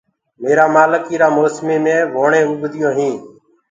ميرآ مآلڪ ايٚرآ موسميٚ مي ووڻينٚ اوگديونٚ هينٚ اور